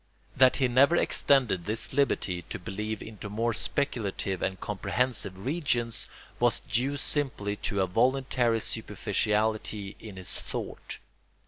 That he never extended this liberty to believe into more speculative and comprehensive regions was due simply to a voluntary superficiality in his thought.